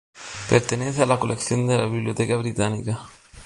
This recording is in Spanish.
Pertenece a la colección de la Biblioteca Británica.